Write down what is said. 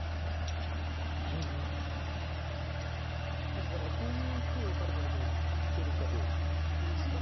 あとだからこういう手を打たれた時に利けるかどうかですか。